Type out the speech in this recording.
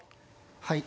はい。